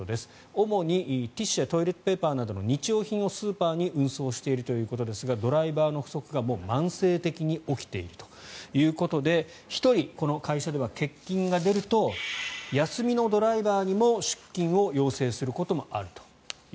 主にティッシュやトイレットペーパーなどの日用品をスーパーに運送しているということのようですがドライバーの不足が慢性的に起きているということで１人この会社では欠勤が出ると休みのドライバーにも出勤を要請することもあると。